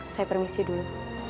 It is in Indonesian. saya permisi dulu